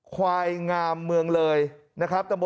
ควายงามเมืองไปเลย